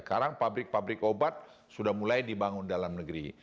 sekarang pabrik pabrik obat sudah mulai dibangun dalam negeri